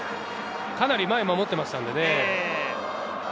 かなり前に守っていましたのでね。